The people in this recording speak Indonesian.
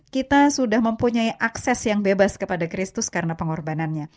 kita sudah mempunyai akses yang bebas kepada kristus karena pengorbanannya